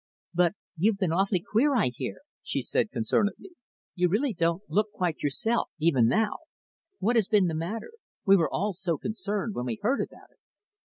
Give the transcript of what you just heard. "But you've been awfully queer, I hear," she said concernedly. "You really don't look quite yourself even now. What has been the matter? We were all so concerned when we heard about it."